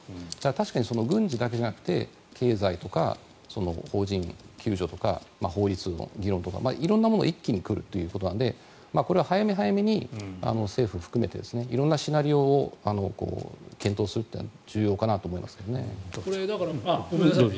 確かに軍事だけじゃなくて経済とか邦人救助とか法律の議論とか色んなものが一気に来るということなので早め早めに政府含めて色んなシナリオを検討するというのは重要かなと思いますけどね。